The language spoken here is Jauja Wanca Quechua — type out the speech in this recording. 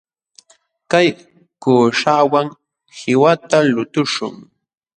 Kay kuuśhawan qiwata lutuśhun.